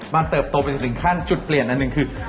มันเติบโตไปถึงขั้นจุดเปลี่ยนอันหนึ่งคือ